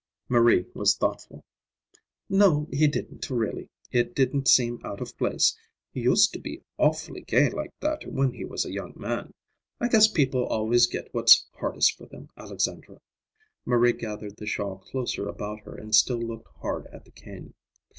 Marie was thoughtful. "No, he didn't, really. It didn't seem out of place. He used to be awfully gay like that when he was a young man. I guess people always get what's hardest for them, Alexandra." Marie gathered the shawl closer about her and still looked hard at the cane.